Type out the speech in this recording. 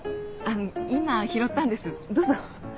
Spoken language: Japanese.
今拾ったんですどうぞ。